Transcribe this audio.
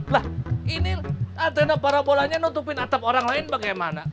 lah ini antena parabolanya nutupin atap orang lain bagaimana